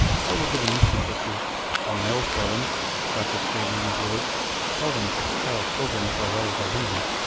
I will give an instance or two. " A male servant," Dr. Spurzheim observes, " seldom takes care of children so well as a woman."